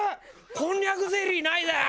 こんにゃくゼリーないじゃん！」